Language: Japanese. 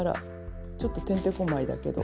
ちょっとてんてこまいだけど。